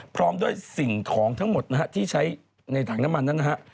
พร้อมด้วยสิ่งของทั้งหมดนะฮะที่ใช้ในถังน้ำมันนั้นนะฮะ